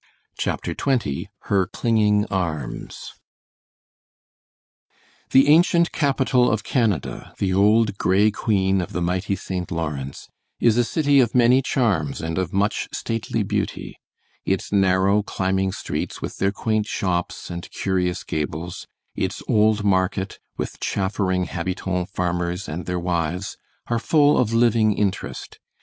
CHAPTER XX HER CLINGING ARMS The ancient capital of Canada the old gray queen of the mighty St. Lawrence is a city of many charms and of much stately beauty. Its narrow, climbing streets, with their quaint shops and curious gables, its old market, with chaffering habitant farmers and their wives, are full of living interest.